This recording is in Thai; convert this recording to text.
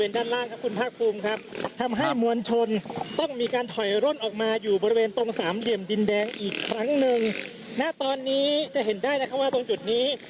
แดงอีกครั้งหนึ่งณตอนนี้จะเห็นได้นะคะว่าตรงจุดนี้